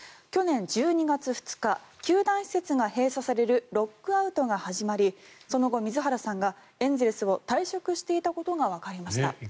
去年１２月２日球団施設が閉鎖されるロックアウトが始まりその後、水原さんがエンゼルスを退職していたことがわかりました。